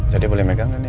jadi boleh megang kan nih